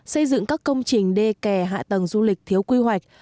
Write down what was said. xây dựng các công trình đê kè hạ tầng du lịch thiếu quy hoạch